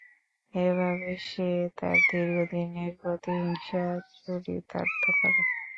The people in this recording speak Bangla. এভাবে সে তার দীর্ঘ দিনের প্রতিহিংসা চরিতার্থ করে।